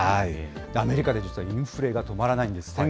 アメリカで実はインフレが止まらないんです。